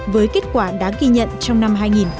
với kết quả đáng ghi nhận trong năm hai nghìn một mươi tám